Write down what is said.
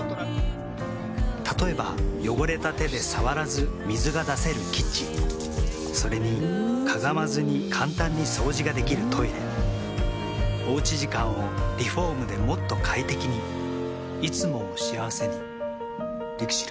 例えば汚れた手で触らず水が出せるキッチンそれにかがまずに簡単に掃除ができるトイレおうち時間をリフォームでもっと快適にいつもを幸せにＬＩＸＩＬ。